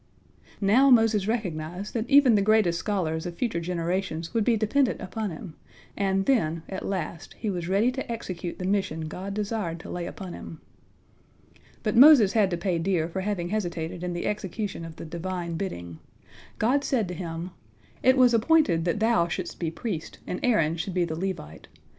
Now Moses recognized that even the greatest scholars of future generations would be dependent upon him, and then, at last, he was ready to execute the mission God desired to lay upon him. But Moses had to pay dear for having hesitated in the execution of the Divine bidding. God said to him: "It was appointed that thou shouldst be priest, and Aaron should be the Levite.